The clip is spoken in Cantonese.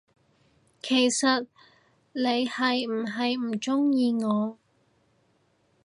其實你係唔係唔鍾意我，？